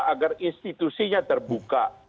agar institusinya terbuka